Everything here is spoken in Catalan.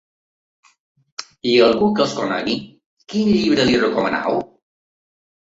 I a algú que els conegui, quin llibre li recomaneu?